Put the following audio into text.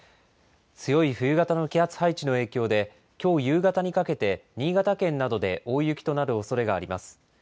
強い冬型の気圧配置の影響で、きょう夕方にかけて新潟県などで大雪となるおそれがあります。